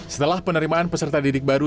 setelah penerimaan peserta didik baru